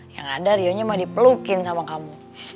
yang ada rionya mah dipelukin sama kamu